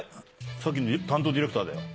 さっきの担当ディレクターだよ。